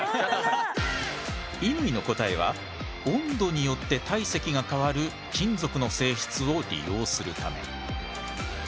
乾の答えは「温度によって体積が変わる金属の性質を利用するため」。